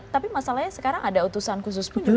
tapi masalahnya sekarang ada utusan khusus